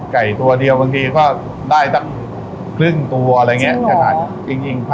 ไก่ตัวเดียวบางทีก็ได้สักครึ่งตัวอะไรอย่างเงี้ยจริงเหรอ